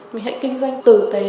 mình hãy kinh doanh tử tế